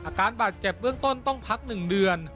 อาการบาดเจ็บเบื้องต้นต้องพัก๑เดือน